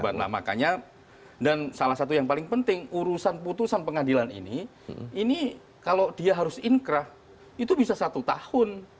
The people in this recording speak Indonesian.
nah makanya dan salah satu yang paling penting urusan putusan pengadilan ini ini kalau dia harus inkrah itu bisa satu tahun